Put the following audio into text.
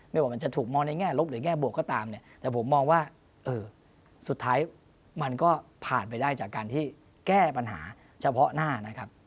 ว่ามันจะถูกมองในแง่ลบหรือแง่บวกก็ตามเนี่ยแต่ผมมองว่าเออสุดท้ายมันก็ผ่านไปได้จากการที่แก้ปัญหาเฉพาะหน้านะครับ